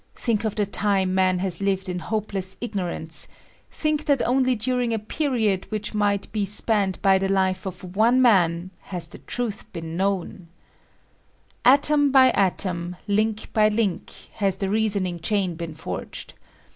Think of the time man has lived in hopeless ignorance; think I that only during a period which might be Ispanned by the life of one man has the truth ■'been known I I Atom by atom, link by link, has the reason ling chain been forged.